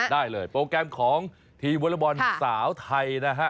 ได้เลยโปรแกรมของทีมวอเลอร์บอลสาวไทยนะฮะ